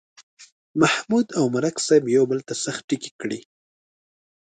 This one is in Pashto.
محمود او ملک صاحب یو بل ته سخت ټکي کړي.